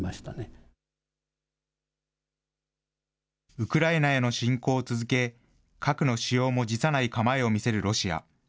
ウクライナへの侵攻を続け、核の使用も辞さない構えを見せるロシア。